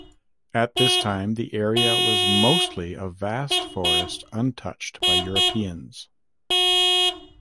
At this time the area was mostly a vast forest untouched by Europeans.